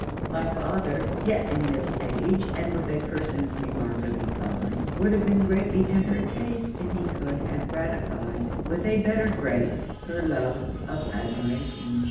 My father, yet in middle age, and with a person remarkably fine, would have been greatly to her taste if he could have gratified, with a better grace, her love of admiration.